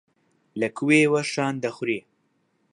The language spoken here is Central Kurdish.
لە کوێوە شان دەخورێ.